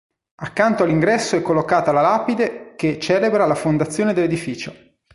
Accanto all'ingresso è collocata la lapide che celebra la fondazione dell'edificio.